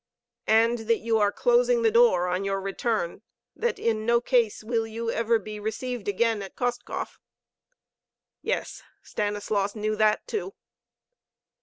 "And that you are closing the door on your return, that in no case will you ever be received again at Kostkov?" Yes, Stanislaus knew that too.